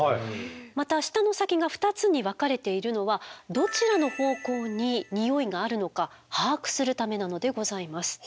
また舌の先が２つに分かれているのはどちらの方向にニオイがあるのか把握するためなのでございます。